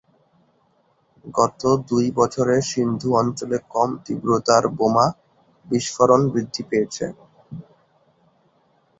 গত দুই বছরে সিন্ধু অঞ্চলে কম তীব্রতার বোমা বিস্ফোরণ বৃদ্ধি পেয়েছে।